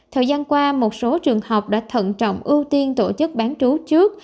thời gian qua một số trường học đã thận trọng ưu tiên tổ chức bán trú trước